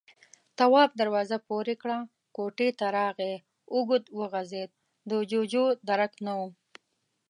تواب دروازه پورې کړه، کوټې ته راغی، اوږد وغځېد، د جُوجُو درک نه و.